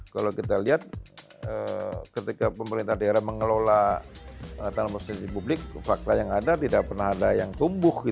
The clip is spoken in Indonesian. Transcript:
kalau kita lihat ketika pemerintah daerah mengelola transportasi publik fakta yang ada tidak pernah ada yang tumbuh